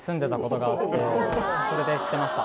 それで知ってました